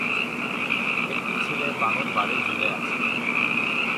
একটি ছেলে বানর বারে ঝুলে আছে।